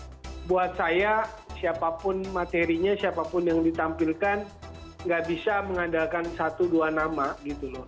jadi buat saya siapapun materinya siapapun yang ditampilkan gak bisa mengandalkan satu dua nama gitu loh